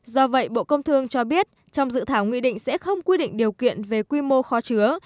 do vậy bộ công thương cho biết trong dự thảo nghị định sẽ không quy định điều kiện về quy mô kho chứa